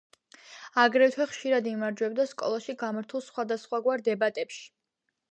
აგრეთვე ხშირად იმარჯვებდა სკოლაში გამართულ სხვადასხვაგვარ დებატებში.